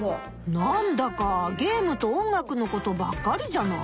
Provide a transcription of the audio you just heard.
なんだかゲームと音楽のことばっかりじゃない？